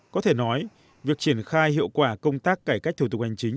có thể nói việc triển khai hiệu quả công tác cải cách thủ tục hành chính